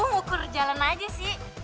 ngukur jalan aja sih